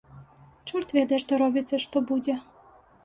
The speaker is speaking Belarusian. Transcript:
Чорт ведае што робіцца, што будзе.